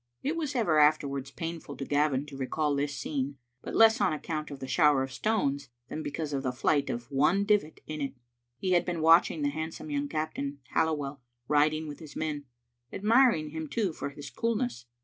It was ever afterwards painful to Gavin to recall this scene, but less on account of the shower of stones than because of the flight of one divit in it. He had been watching the handsome young captain, Halliwell, rid ing with his men ; admiring him, too, for his coolness.